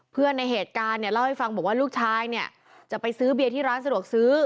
ในเหตุการณ์เนี่ยเล่าให้ฟังบอกว่าลูกชายเนี่ยจะไปซื้อเบียร์ที่ร้านสะดวกซื้อ